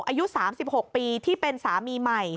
อายุ๓๖ปีที่เป็นสามีใหม่